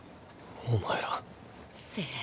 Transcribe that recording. お前ら。